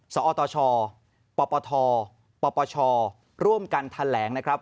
สอตชปปทปปชร่วมกันแถลงนะครับ